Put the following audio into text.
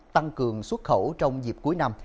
tăng cường xuất khẩu trong dịp cuối năm